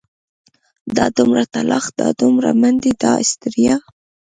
دا دومره تلاښ دا دومره منډې دا ستړيا.